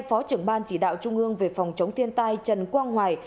phó trưởng ban chỉ đạo trung ương về phòng chống thiên tai trần quang hoài